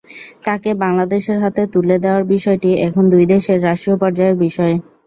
তাঁকে বাংলাদেশের হাতে তুলে দেওয়ার বিষয়টি এখন দুই দেশের রাষ্ট্রীয় পর্যায়ের বিষয়।